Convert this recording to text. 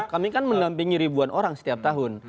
kami kan mendampingi ribuan orang setiap tahun